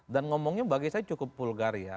dan ngomongnya bagi saya cukup vulgar ya